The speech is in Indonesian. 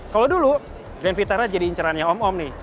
kalau dulu grand vitara jadi incerannya om om nih